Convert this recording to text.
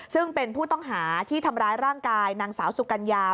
ซึ่งเป็นผู้ต้องหาที่ทำร้ายร่างกายนางสาวสุกัญญา